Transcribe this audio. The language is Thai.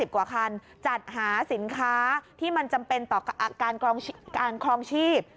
กว่าคันจัดหาสินค้าที่มันจำเป็นต่อการครองชีพ